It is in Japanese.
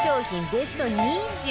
ベスト２０